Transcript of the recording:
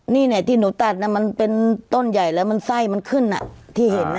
นี่ที่หนูตัดมันเป็นต้นใหญ่แล้วมันไส้มันขึ้นที่เห็น